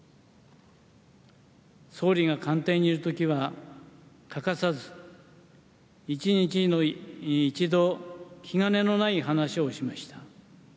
総理が官邸にいる時は欠かさず１日に１度気兼ねのない話をしました。